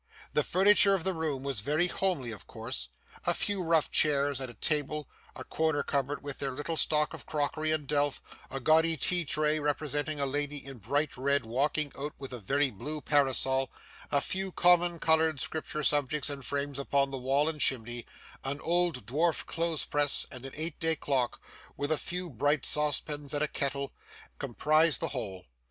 The furniture of the room was very homely of course a few rough chairs and a table, a corner cupboard with their little stock of crockery and delf, a gaudy tea tray, representing a lady in bright red, walking out with a very blue parasol, a few common, coloured scripture subjects in frames upon the wall and chimney, an old dwarf clothes press and an eight day clock, with a few bright saucepans and a kettle, comprised the whole.